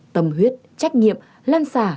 tâm huyết trách nhiệm lan xà